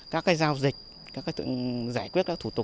các giao dịch các giải quyết các thủ tục